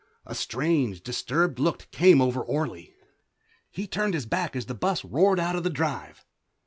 A strange, disturbed look came over Orley. He turned his back as the bus roared out of the drive.